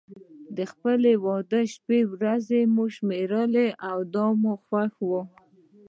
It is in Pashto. د خپل واده شپې او ورځې مو شمېرله او دا مو خوښ و.